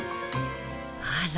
あら。